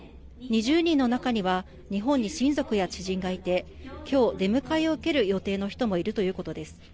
２０人の中には日本に親族や知人がいてきょう出迎えを受ける予定の人もいるということです。